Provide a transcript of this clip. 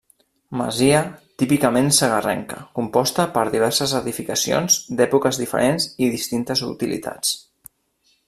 Masia típicament segarrenca composta per diverses edificacions d'èpoques diferents i distintes utilitats.